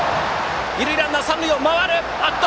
二塁ランナーは三塁を回って。